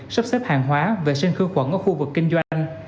sắp xếp hàng hóa vệ sinh khử khuẩn ở khu vực kinh doanh